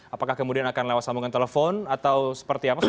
apakah kemudian akan lewat sambungan telepon atau seperti apa